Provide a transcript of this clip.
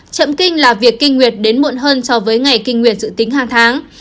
chậm kinh là việc kinh nguyệt đến muộn hơn so với ngày kinh nguyệt dự tính hàng tháng